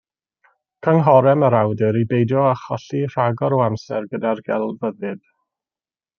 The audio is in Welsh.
Cynghorem yr awdur i beidio â cholli rhagor o amser gyda'r gelfyddyd.